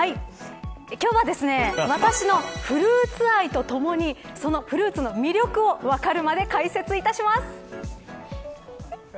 今日は私のフルーツ愛とともにそのフルーツの魅力を分かるまで解説いたします。